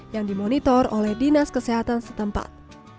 yang dimonitor oleh dinas kesehatan setempat